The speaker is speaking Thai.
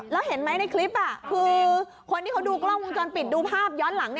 แล้วเห็นไหมในคลิปคือคนที่เขาดูกล้องวงจรปิดดูภาพย้อนหลัง